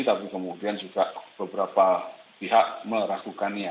tapi kemudian juga beberapa pihak meragukannya